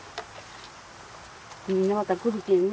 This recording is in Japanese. みんなまた来るけんね。